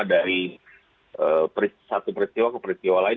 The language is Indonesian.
dari satu peristiwa ke peristiwa lain